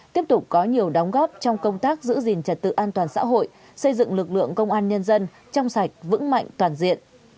tiếp tục có nhiều đóng góp trong công tác giữ gìn trật tự an toàn xã hội xây dựng lực lượng công an nhân dân trong sạch vững mạnh toàn diện